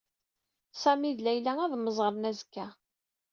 Sami d Layla ad mmeẓren azekka.